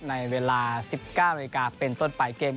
ในเวลา๑๙นเป็นต้นปลายเกม